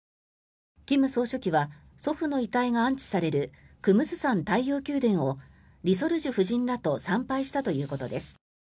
金総書記は祖父の遺体が安置されるクムスサン太陽宮殿を李雪主夫人らと参拝したということです。